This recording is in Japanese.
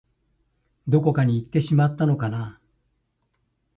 どこかにいってしまったのかな